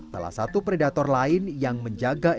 salah satu predator lain yang menjaga